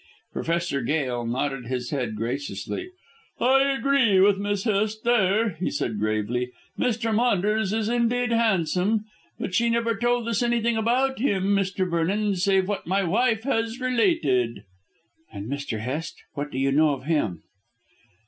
Professor Gail nodded his head graciously. "I agree with Miss Hest there," he said gravely; "Mr. Maunders is indeed handsome. But she never told us anything about him, Mr. Vernon, save what my wife has related." "And Mr. Hest? What do you know of him?"